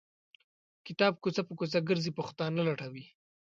کتاب کوڅه په کوڅه ګرځي پښتانه لټوي.